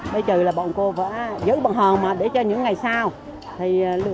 bây giờ bọn cô phải giữ bọn họ để cho những ngày sau